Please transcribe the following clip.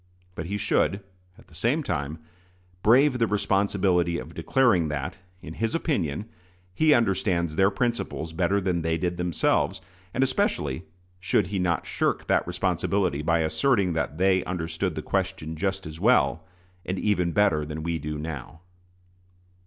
But he should, at the same time, brave the responsibility of declaring that, in his opinion, he understands their principles better than they did themselves; and especially should he not shirk that responsibility by asserting that they "understood the question just as well, and even better, than we do now."